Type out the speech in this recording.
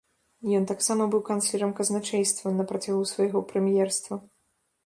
Ён таксама быў канцлерам казначэйства на працягу свайго прэм'ерства.